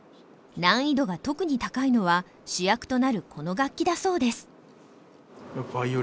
難易度が特に高いのは主役となるこの楽器だそうです。